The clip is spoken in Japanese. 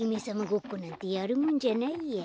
ごっこなんてやるもんじゃないや。